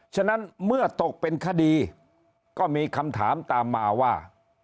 ฉะนั้นเมื่อตกเป็นคดีก็มีคำถามตามมาว่า